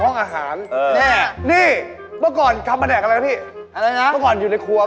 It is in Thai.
ตอนนี้เหรอคะตอนนี้ก็เป็นผู้จัดการ